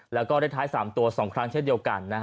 แล้วก็ได้ท้าย๓ตัว๒ครั้งเช่นเดียวกัน